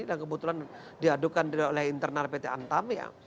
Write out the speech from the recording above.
dan kebetulan diadukan oleh internal pt antam ya